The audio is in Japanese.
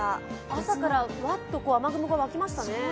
朝からわっと雨雲がわきましたね。